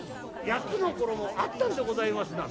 「８つの頃もあったんでございます」。